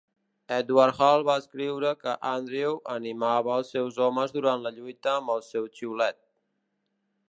Edward Hall va escriure que Andrew animava els seus homes durant la lluita amb el seu xiulet.